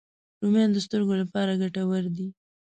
رومیان د سترګو لپاره ګټور دي